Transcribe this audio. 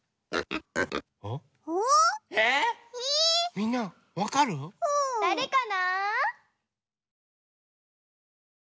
みんなわかる？だれかな？